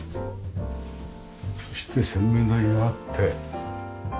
そして洗面台があって。